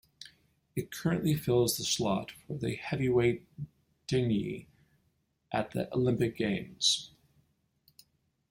It currently fills the slot for the Heavyweight Dinghy at the Olympic games.